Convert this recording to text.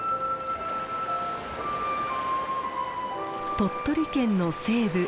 鳥取県の西部。